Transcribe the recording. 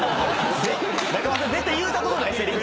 仲間さん絶対言うたことないせりふ。